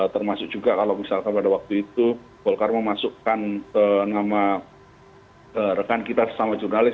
termasuk juga kalau misalkan pada waktu itu golkar memasukkan nama rekan kita sesama jurnalis